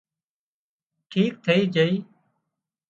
ٺيڪ ٿئي جھئي